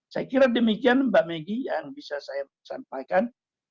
saya kira demikian mbak megi yang bisa saya sampaikan